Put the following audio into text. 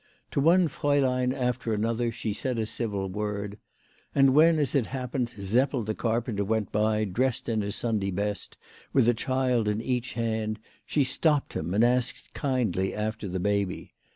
To one fraulein after another she said a civil word. And when, as it happened, Seppel the carpenter went by, dressed in his Sunday best, with a child in each hand, she stopped him and asked kindly after the baby.